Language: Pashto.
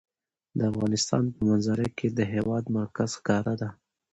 د افغانستان په منظره کې د هېواد مرکز ښکاره ده.